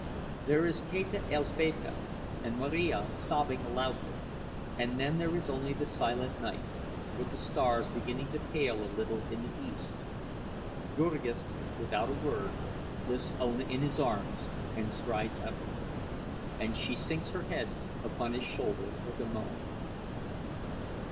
There is Teta Elzbieta, and Marija, sobbing loudly; and then there is only the silent night, with the stars beginning to pale a little in the east. Jurgis, without a word, lifts Ona in his arms, and strides out with her, and she sinks her head upon his shoulder with a moan.